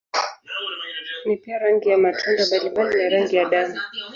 Ni pia rangi ya matunda mbalimbali na rangi ya damu.